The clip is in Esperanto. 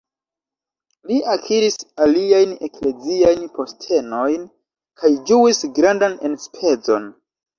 Li akiris aliajn ekleziajn postenojn, kaj ĝuis grandan enspezon.